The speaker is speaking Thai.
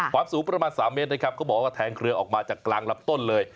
สูงประมาณ๓เมตรนะครับเขาบอกว่าแทงเครือออกมาจากกลางลำต้นเลย